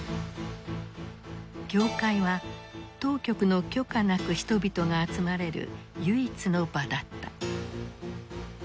教会は当局の許可なく人々が集まれる唯一の場だった。